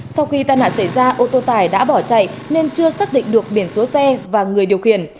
sau khi tai nạn xảy ra ô tô tải đã bỏ chạy nên chưa xác định được biển số xe và người điều khiển